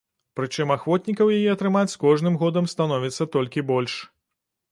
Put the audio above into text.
Прычым ахвотнікаў яе атрымаць з кожным годам становіцца толькі больш.